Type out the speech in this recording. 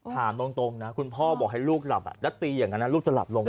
ถามตรงนะคุณพ่อบอกให้ลูกหลับแล้วตีอย่างนั้นนะลูกจะหลับลง